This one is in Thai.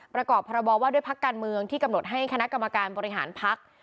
ประกอบพรบว่าด้วยพักการเมืองที่กำหนดให้คณะกรรมการบริหารพัก